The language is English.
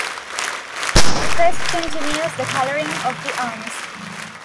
The crest continues the colouring of the arms.